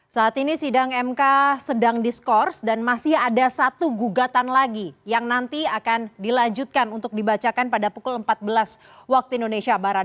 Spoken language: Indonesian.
saat ini sidang mk sedang diskors dan masih ada satu gugatan lagi yang nanti akan dilanjutkan untuk dibacakan pada pukul empat belas waktu indonesia barat